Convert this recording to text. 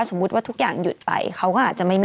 สมมุติว่าทุกอย่างหยุดไปเขาก็อาจจะไม่